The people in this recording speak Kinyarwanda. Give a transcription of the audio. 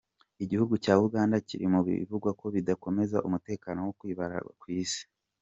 Igihugu ca Uganda kiri mu bivugwa ko bidakomeza umutekano wo kw'ibarabara kw'isi.